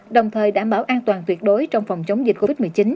đồng thời đảm bảo an toàn tuyệt đối trong phòng chống dịch covid một mươi chín